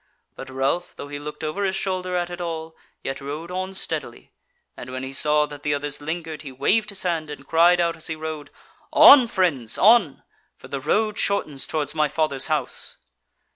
But Ralph, though he looked over his shoulder at it all, yet rode on steadily, and when he saw that the others lingered, he waved his hand and cried out as he rode: "On, friends, on! for the road shortens towards my Fathers' House."